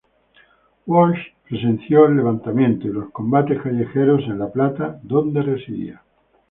Walsh presenció el levantamiento y los combates callejeros en La Plata, donde residía.